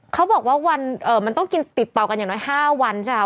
เขาบอกว่าวันมันต้องกินติดเป่ากันอย่างน้อย๕วันใช่ไหมคะ